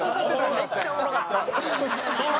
めっちゃおもろかった。